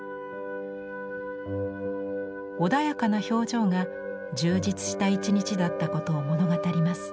穏やかな表情が充実した一日だったことを物語ります。